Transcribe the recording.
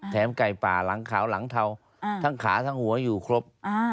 ไก่ป่าหลังขาวหลังเทาทั้งขาทั้งหัวอยู่ครบ